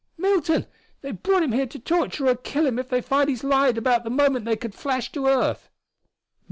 "Milton! They've brought him here to torture or kill him if they find he's lied about the moment they could flash to earth!"